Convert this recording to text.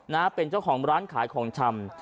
นะเป็นเจ้าของร้านขายของชำ